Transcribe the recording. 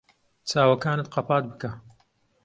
چاوەکانت قەپات بکە.